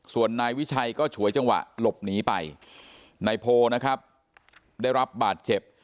ส่วนนายวิชัยก็ฉวยจังหวะหลบหนีไปนายโพนะครับได้รับบาดเจ็บ